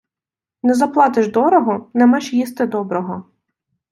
Не заплатиш дорого, не меш їсти доброго.